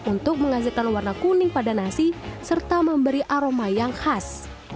untuk menghasilkan warna kuning pada nasi serta memberi aroma yang khas